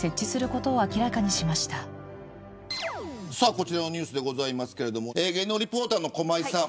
こちらのニュースですけど芸能リポーターの駒井さん